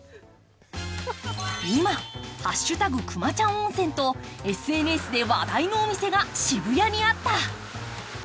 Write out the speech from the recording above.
今「＃くまちゃん温泉」とＳＮＳで話題のお店が渋谷にあった。